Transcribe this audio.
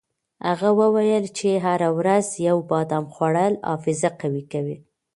هغه وویل چې هره ورځ یو بادام خوړل حافظه قوي کوي.